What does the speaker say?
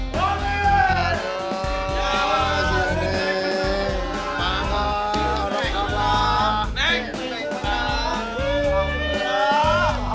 kok kamu datang sih